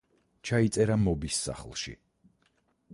ჩაიწერა მობის სახლში.